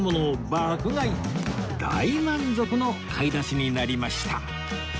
大満足の買い出しになりました